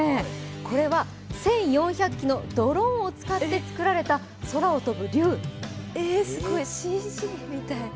これは１４００機のドローンを使って作られたすごい、ＣＧみたい。